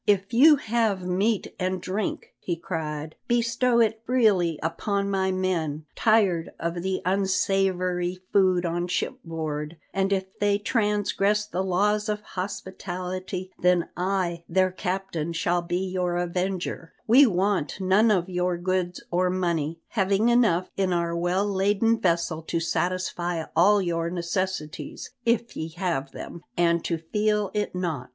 "If you have meat and drink," he cried, "bestow it freely upon my men, tired of the unsavoury food on shipboard, and if they transgress the laws of hospitality then I, their captain, shall be your avenger; we want none of your goods or money, having enough in our well laden vessel to satisfy all your necessities, if ye have them, and to feel it not."